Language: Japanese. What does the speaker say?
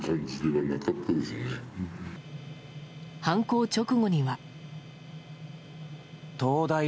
犯行直後には。